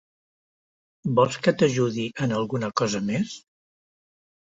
Vols que t'ajudi en alguna cosa més?